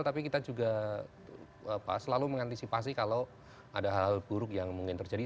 tapi kita juga selalu mengantisipasi kalau ada hal buruk yang mungkin terjadi